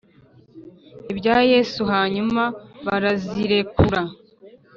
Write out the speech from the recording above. ibya Yesu hanyuma barazirekura